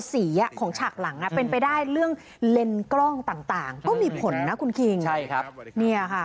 สีของฉากหลังเป็นไปได้เรื่องเลนส์กล้องต่างเป้ามีผลนะคุณคิง